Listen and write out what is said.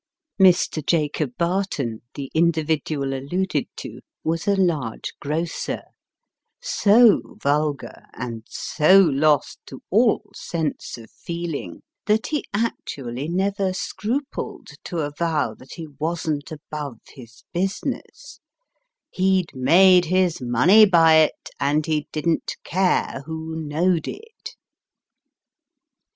Mr. Jacob Barton, the individual alluded to, was a large grocer ; so vulgar, and so lost to all sense of feeling, that he actually never scrupled to avow that he wasn't above his business :" he'd made his money by it, and he didn't care who know'd it."